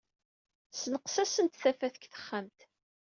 Ssenqasent tafat deg texxamt.